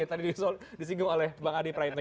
tadi disinggung oleh bang adi pritnik